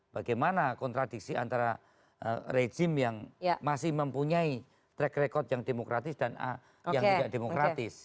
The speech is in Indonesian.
bagaimana kontradiksi antara rejim yang masih mempunyai track record yang demokratis dan yang tidak demokratis